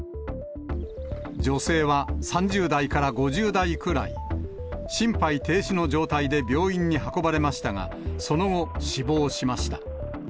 女性は３０代から５０代くらい、心肺停止の状態で病院に運ばれましたが、その後、死亡しました。